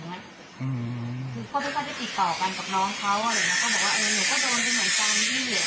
คือพวกน้องก็ได้ติดต่อกันกับน้องเขาแล้วน้องก็บอกว่าเออหนูก็โดนไปเหมือนกับน้องนี่